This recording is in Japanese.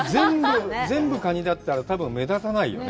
全部カニだったら、多分目立たないよね。